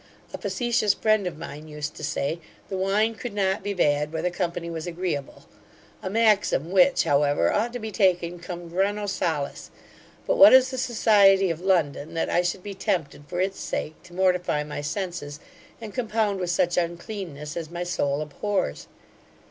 A facetious friend of mine used to say, the wine could not be bad, where the company was agreeable; a maxim which, however, ought to be taken cum grano salis: but what is the society of London, that I should be tempted, for its sake, to mortify my senses, and compound with such uncleanness as my soul abhors?